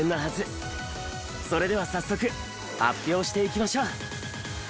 それでは早速発表していきましょう！